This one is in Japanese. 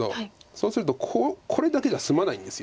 そうするとこれだけじゃ済まないんです。